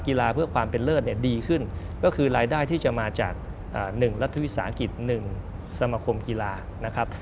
กีฬาเพื่อความเป็นเลิศเนี่ยดีขึ้นก็คือรายได้ที่จะมาจาก๑รัฐวิสาหกิจ๑สมคมกีฬานะครับ